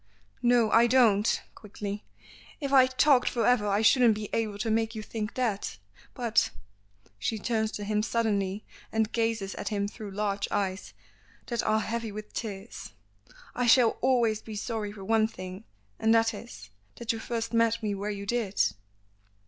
"No, I don't," quickly. "If I talked for ever I shouldn't be able to make you think that. But " She turns to him suddenly, and gazes at him through large eyes that are heavy with tears. "I shall always be sorry for one thing, and that is that you first met me where you did."